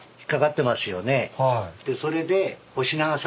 それで。